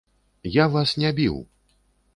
Я вас не біў.